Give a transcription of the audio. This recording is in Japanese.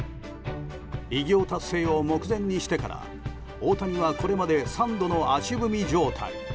偉業達成を目前にしてから大谷はこれまで３度の足踏み状態。